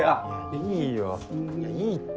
いいよいいって。